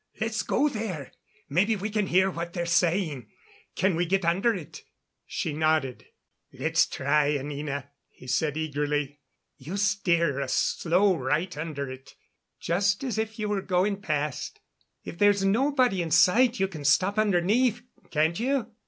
Let's go there. Maybe we can hear what they're saying. Can we get under it?" She nodded. "Let's try, Anina," he said eagerly. "You steer us slow right under it, just as if you were going past. If there's nobody in sight you can stop underneath, can't you?